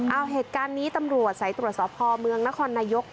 เอาเหตุการณ์นี้ตำรวจสายตรวจสอบพอเมืองนครนายก